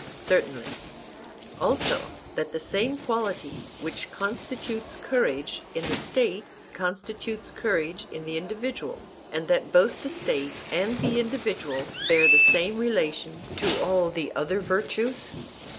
Certainly. Also that the same quality which constitutes courage in the State constitutes courage in the individual, and that both the State and the individual bear the same relation to all the other virtues?